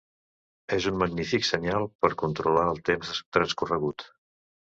És un magnífic senyal per controlar el temps transcorregut.